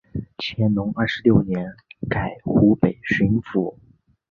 乾隆二十九年改湖北巡抚。